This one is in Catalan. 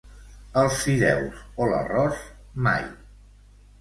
els fideus o l'arròs, mai